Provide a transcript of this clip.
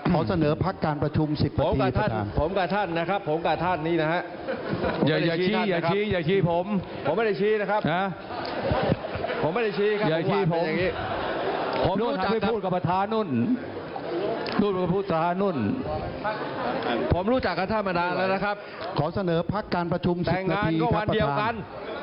ขอเสนอพักการประชุม๑๐นาทีท่านประธานแต่งงานก็วันเดียวกัน